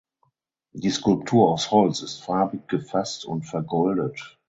Die Skulptur aus Holz ist farbig gefasst und vergoldet.